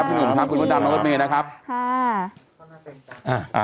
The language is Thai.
ขอบคุณหนุ่มครับคุณลูกดำและลูกเมฆนะครับค่ะ